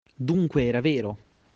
Dunque era vero!